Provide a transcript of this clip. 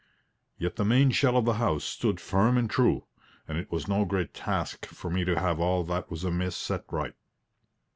Yet the main shell of the house stood firm and true; and it was no great task for me to have all that was amiss set right.